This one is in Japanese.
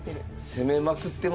攻めまくってます。